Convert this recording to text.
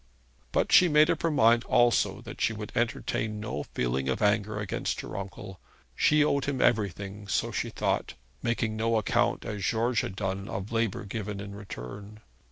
But she made up her mind also that she would entertain no feeling of anger against her uncle. She owed him everything, so she thought making no account, as George had done, of labour given in return.